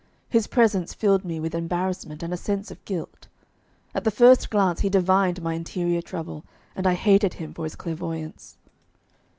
His presence filled me with embarrassment and a sense of guilt. At the first glance he divined my interior trouble, and I hated him for his clairvoyance.